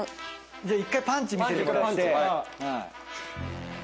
じゃあ１回パンチ見せてもらって。